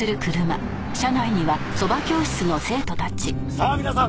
さあ皆さん